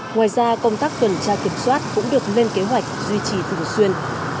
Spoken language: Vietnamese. ngoài ra công tác tuần tra kiểm soát cũng được lên kế hoạch duy trì thường xuyên